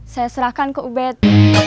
saya serahkan ke ubed